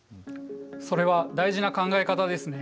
それは大事な考え方ですね。